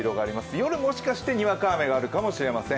夜、もしかしたらにわか雨があるかもしれません。